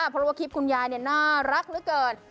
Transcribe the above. เพราะว่าคลิปคุณยายน่ารักเหลือเกิน